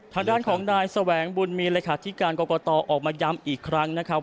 ทางด้านของนายแสวงบุญมีเลขาธิการกรกตออกมาย้ำอีกครั้งนะครับ